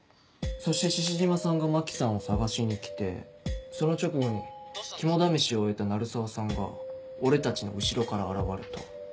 そして獅子島さんが真紀さんを捜しに来てその直後に肝試しを終えた鳴沢さんが俺たちの後ろから現れた。